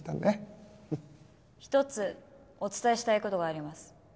一つお伝えしたいことがあります。